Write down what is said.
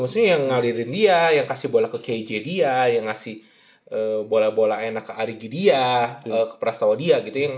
maksudnya yang ngalirin dia yang kasih bola ke k i j dia yang ngasih bola bola enak ke ari gidia ke prastawa dia gitu